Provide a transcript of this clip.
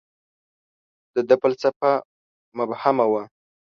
• د ده فلسفه مبهمه وه.